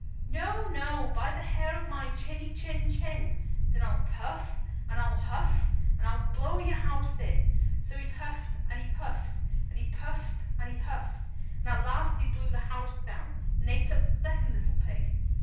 "No, no, by the hair of my chinny chin chin." "Then I'll puff and I'll huff, and I'll blow your house in!" So he huffed and he puffed, and he puffed and he huffed, and at last he blew the house down, and ate up the second little Pig.